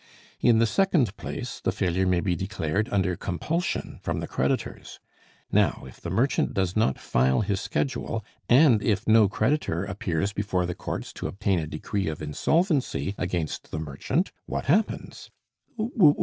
In the second place, the failure may be declared under compulsion from the creditors. Now if the merchant does not file his schedule, and if no creditor appears before the courts to obtain a decree of insolvency against the merchant, what happens?"